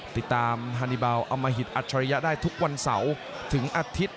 ติดตามฮานิบาลอมหิตอัจฉริยะได้ทุกวันเสาร์ถึงอาทิตย์